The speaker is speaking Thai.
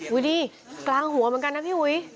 ดิกลางหัวเหมือนกันนะพี่อุ๋ย